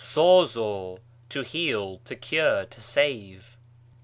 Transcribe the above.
σώζω, to heal, to cure, to save.